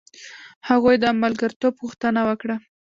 هغوی د ملګرتوب غوښتنه وکړه.